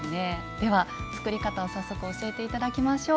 では作り方を早速教えて頂きましょう。